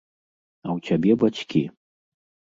А ў цябе бацькі.